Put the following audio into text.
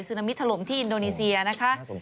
นามิถล่มที่อินโดนีเซียนะคะ